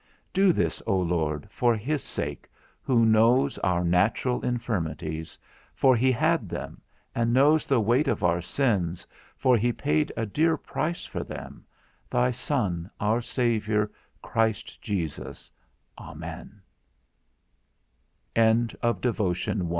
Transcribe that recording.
Do this, O Lord, for his sake, who knows our natural infirmities, for he had them, and knows the weight of our sins, for he paid a dear price for them, thy Son, our Saviour, Christ Jes